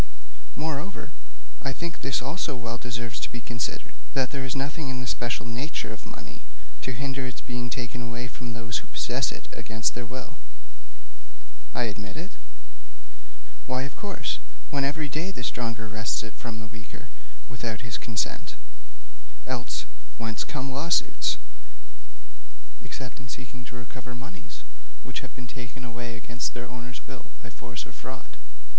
Moreover, I think this also well deserves to be considered that there is nothing in the special nature of money to hinder its being taken away from those who possess it against their will.' 'I admit it.' 'Why, of course, when every day the stronger wrests it from the weaker without his consent. Else, whence come lawsuits, except in seeking to recover moneys which have been taken away against their owner's will by force or fraud?'